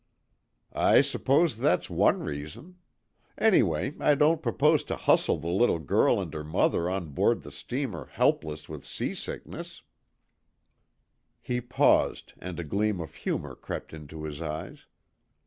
"I suppose that's one reason. Anyway, I don't propose to hustle the little girl and her mother on board the steamer helpless with sea sickness," He paused and a gleam of humour crept into his eyes.